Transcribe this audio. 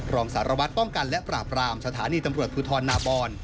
รองสารวัตรป้องกันและปราบรามสถานีตำรวจภูทรนาบอน